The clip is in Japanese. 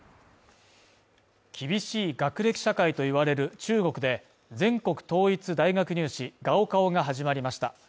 厳しい学歴社会と言われる中国で全国統一大学入試高考が始まりました。